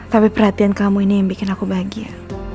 tapi perhatian kamu ini yang bikin aku bahagia